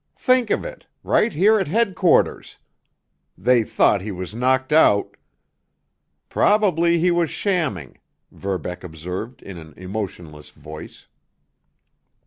Think of it! Right here at headquarters! They thought he was knocked out——" "Probably he was shamming," Verbeck observed in an emotionless voice.